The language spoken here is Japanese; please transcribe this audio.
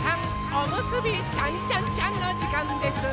おむすびちゃんちゃんちゃんのじかんです！